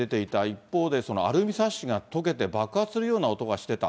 一方で、アルミサッシが溶けて爆発するような音がしてた。